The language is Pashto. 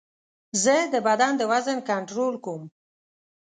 زه د بدن د وزن کنټرول کوم.